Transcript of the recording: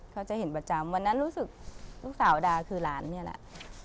เขาจะเห็นประจำวันนั้นรู้สึกลูกสาวดาคือหลานเนี่ยแหละ